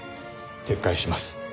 撤回します。